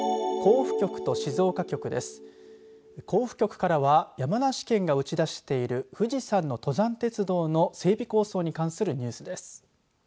甲府局からは山梨県が打ち出している富士山の登山鉄道の整備構想に関するニュースです。